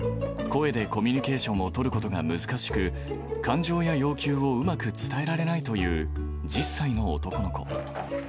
声でコミュニケーションを取ることが難しく、感情や要求をうまく伝えられないという１０歳の男の子。